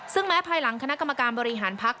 ซึ่งแม้ภายหลังคณะกรรมการบริหารพักษ